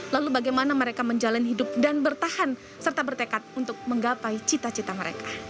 lalu bagaimana mereka menjalani hidup dan bertahan serta bertekad untuk menggapai cita cita mereka